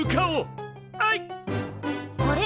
あれ？